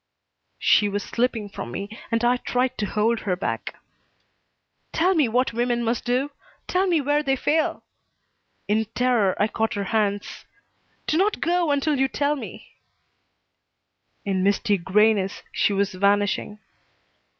She was slipping from me and I tried to hold her back. "Tell me what women must do! Tell me where they fail!" In terror I caught her hands. "Do not go until you tell me " In misty grayness she was vanishing.